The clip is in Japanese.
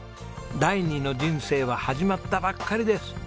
第二の人生は始まったばっかりです。